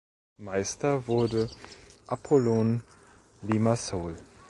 Meister wurde Apollon Limassol.